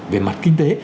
về mặt kinh tế